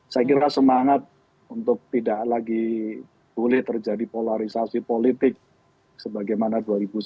saya kira semangat untuk tidak lagi boleh terjadi polarisasi politik sebagaimana dua ribu sembilan belas